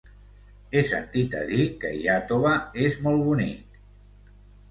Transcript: He sentit a dir que Iàtova és molt bonic.